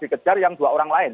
dikejar yang dua orang lain